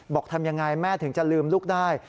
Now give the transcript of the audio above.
บอกทำอย่างไรแม่ถึงจะลืมลูกได้